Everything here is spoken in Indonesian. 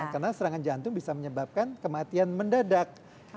karena serangan jantung bisa menyebabkan kematian mendadak